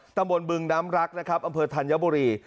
ตำบลบึงน้ำรักนะครับอำเภอธัญบุรี